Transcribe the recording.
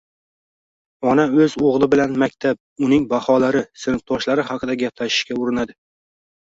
Ona o‘z o‘g‘li bilan maktab, uning baholari, sinfdoshlari haqida gaplashishga urinadi.